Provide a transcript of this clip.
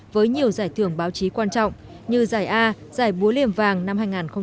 với nhiều giải thưởng báo chí quan trọng như giải a giải búa liềm vàng năm hai nghìn hai mươi